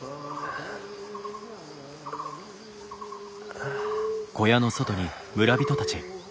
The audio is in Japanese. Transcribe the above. あ？あ。